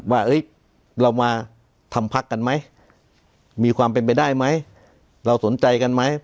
ว่าเรามาทำพักกันไหมมีความเป็นไปได้ไหมเราสนใจกันไหม